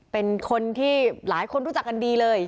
เป็นคนที่หลายคนรู้จักกันดีเลย